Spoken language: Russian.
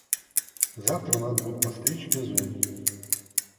Завтра надо будет постричь газон.